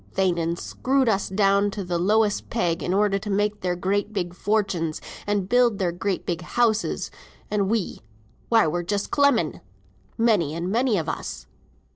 They'n screwed us down to th' lowest peg, in order to make their great big fortunes, and build their great big houses, and we, why we're just clemming, many and many of us.